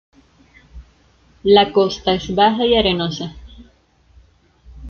La costa es baja y arenosa.